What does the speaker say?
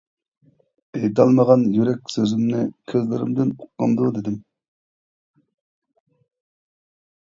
ئېيتالمىغان يۈرەك سۆزۈمنى، كۆزلىرىمدىن ئۇققاندۇ دېدىم.